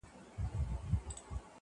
• لکه سپر د خوشحال خان وم -